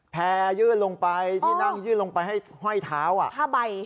แพร่ยืนลงไปที่นั่งยืนลงไปให้ไหว้เท้า